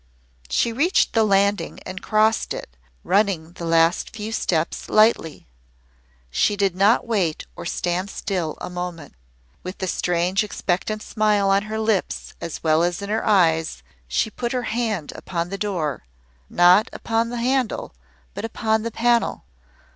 She reached the landing and crossed it, running the last few steps lightly. She did not wait or stand still a moment. With the strange expectant smile on her lips as well as in her eyes, she put her hand upon the door not upon the handle, but upon the panel.